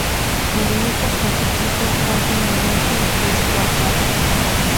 El único prototipo fue finalmente desguazado.